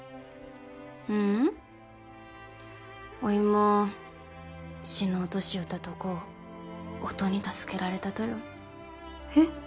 ううんおいも死のうとしよったとこ音に助けられたとよえ？